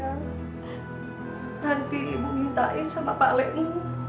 nanti ibu minta ijazah sama pak le ibu